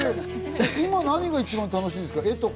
今は何が一番楽しいんですか？